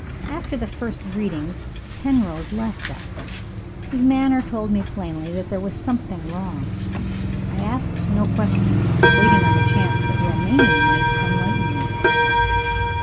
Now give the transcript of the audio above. After the first greetings Penrose left us. His manner told me plainly that there was something wrong. I asked no questions waiting on the chance that Romayne might enlighten me.